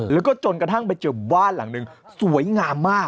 แล้วก็จนกระทั่งไปเจอบ้านหลังหนึ่งสวยงามมาก